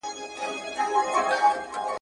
ځيني خلک د لوڼو په زيږيدو زياته خوښي نکوي.